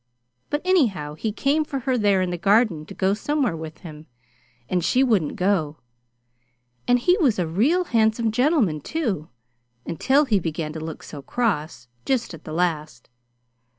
But anyhow, he came for her there in the Garden to go somewhere with him, and she wouldn't go, and he was a real handsome gentleman, too until he began to look so cross, just at the last.